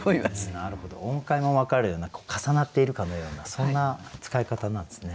なるほど音階も分かるような重なっているかのようなそんな使い方なんですね。